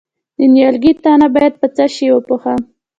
د نیالګي تنه باید په څه شي وپوښم؟